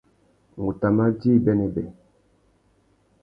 Ngu tà mà djï bênêbê.